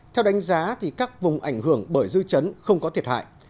theo đánh giá các vùng ảnh hưởng bởi dư chấn không có thiệt hại